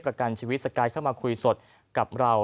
ประกันชีวิตสกายเข้ามาคุยสดกับเรา